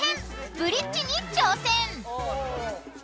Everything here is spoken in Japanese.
ブリッジに挑戦］